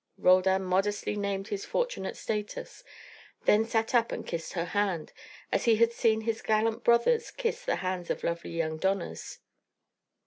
Roldan modestly named his fortunate status, then sat up and kissed her hand, as he had seen his gallant brothers kiss the hands of lovely young donas.